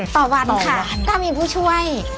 ต่อวันค่ะก็มีผู้ช่วย